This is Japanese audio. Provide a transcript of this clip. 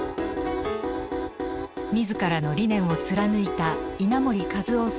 自らの理念を貫いた稲盛和夫さん